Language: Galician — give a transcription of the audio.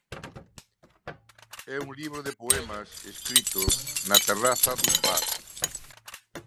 É un libro de poemas escritos na terraza dun bar.